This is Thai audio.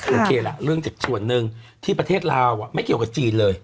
โอเคล่ะเรื่องจากส่วนหนึ่งที่ประเทศลาวไม่เกี่ยวกับจีนเลย